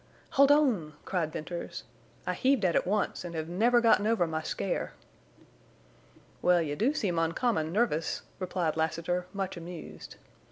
"Hold on!" cried Venters. "I heaved at it once and have never gotten over my scare." "Well, you do seem uncommon nervous," replied Lassiter, much amused.